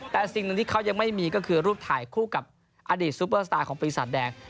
แต่สิ่งหนึ่งที่เขายังไม่มีก็คือรูปถ่ายคู่กับอดีตซูเปอร์สตาร์ของปีศาจแดง